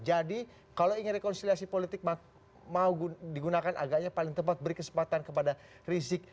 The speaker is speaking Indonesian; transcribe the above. jadi kalau ingin rekonsiliasi politik mau digunakan agaknya paling tepat beri kesempatan kepada rizieq